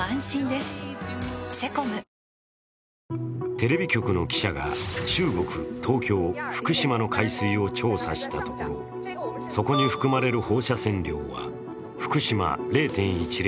テレビ局の記者が中国、東京、福島の海水を調査したところそこに含まれる放射線量は福島０．１０